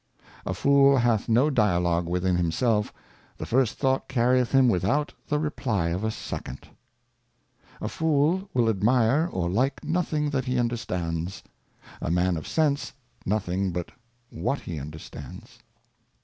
A Fool hath no Dialogue within himself, the first Thought carrieth him without the Reply of a second. A Fool will admire or like nothing that he understands, a Man of Sense nothing but what he understands.